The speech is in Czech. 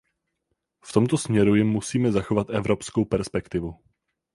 V tomto směru jim musíme zachovat evropskou perspektivu.